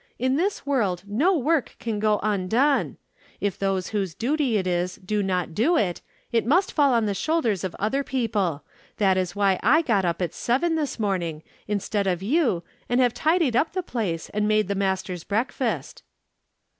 In this world no work can go undone. If those whose duty it is do not do it, it must fall on the shoulders of other people. That is why I got up at seven this morning instead of you and have tidied up the place and made the master's breakfast.'